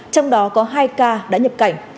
trong đó có hai ca đã nhập cảnh